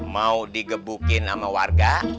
mau digebukin sama warga